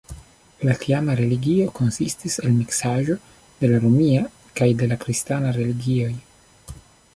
La tiama religio konsistis el miksaĵo de la romia kaj de la kristana religioj.